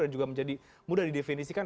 dan juga menjadi mudah didefinisikan